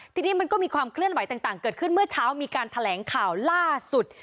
ทีนี้มันก็มีความเคลื่อนไหวต่างเกิดขึ้นเมื่อเช้ามีการแถลงข่าวล่าสุด